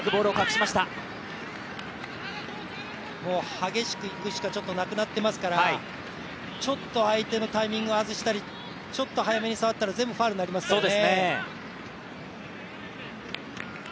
激しくいくしか、ちょっとなくなってますから、ちょっと相手のタイミングを外したり、ちょっと当たったら全部ファウルになりますからね。